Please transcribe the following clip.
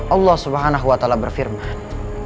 allah swt berfirman